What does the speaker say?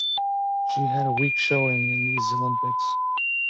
She had a weak showing in these Olympics.